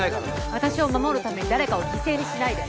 私を守るため誰かを犠牲にしないで！